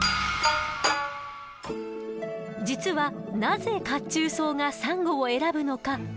実はなぜ褐虫藻がサンゴを選ぶのか謎だったの。